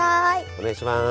お願いします。